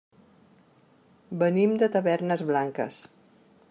Venim de Tavernes Blanques.